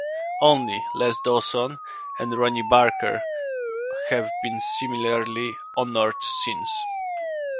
Only Les Dawson and Ronnie Barker have been similarly honoured since.